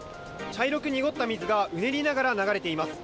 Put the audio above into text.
茶色く濁った水がうねりながら流れています。